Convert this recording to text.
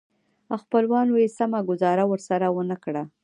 خپلوانو یې سمه ګوزاره ورسره ونه کړه.